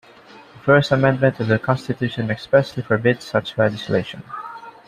The first amendment to the Constitution expressly forbids such legislation.